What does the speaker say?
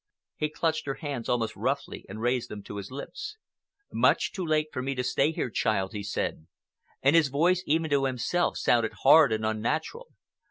He clutched her hands almost roughly and raised them to his lips. "Much too late for me to stay here, child," he said, and his voice even to himself sounded hard and unnatural.